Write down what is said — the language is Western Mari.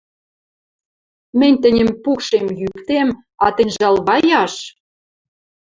Мӹнь тӹньӹм пӱкшем, йӱктем, а тӹнь жалваяш!..